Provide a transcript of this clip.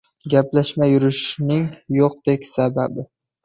Gaplashmay yurishning yo‘qdek sababi.